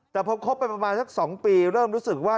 แต่พอคบไปประมาณสัก๒ปีเริ่มรู้สึกว่า